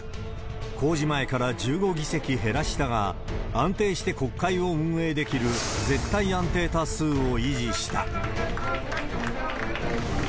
公示前から１５議席減らしたが、安定して国会を運営できる絶対安定多数を維持した。